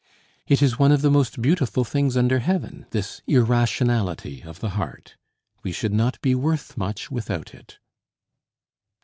It is one of the most beautiful things under heaven, this irrationality of the heart. We should not be worth much without it.